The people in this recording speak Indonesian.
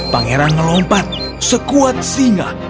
pangeran ngelompat sekuat singa